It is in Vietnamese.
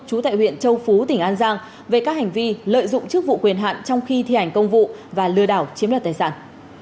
trú tại huyện châu phú tỉnh an giang về các hành vi lợi dụng chức vụ quyền hạn trong khi thi hành công vụ và lừa đảo chiếm đoạt tài sản